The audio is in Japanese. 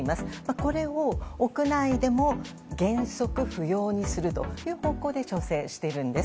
これを屋内でも原則不要にするという方向で調整しているんです。